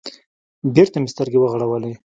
بېرته مې سترگې وغړولې.